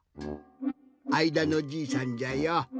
あいだのじいさんじゃよ。